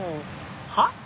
はっ？